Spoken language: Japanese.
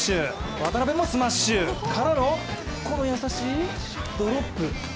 渡辺もスマッシュ、からのこの優しいドロップ。